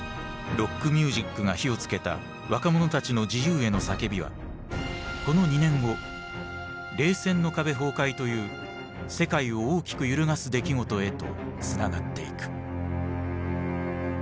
ロックミュージックが火をつけた若者たちの自由への叫びはこの２年後冷戦の壁崩壊という世界を大きく揺るがす出来事へとつながっていく。